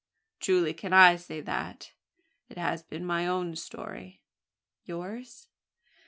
Truly can I say that: it has been my own story." "Yours?"